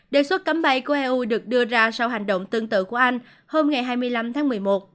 đề xuất cấm bay của eu được đưa ra sau hành động tương tự của anh hôm hai mươi năm tháng một mươi một